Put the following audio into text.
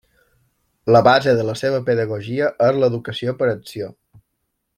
La base de la seva pedagogia és l'educació per l'acció.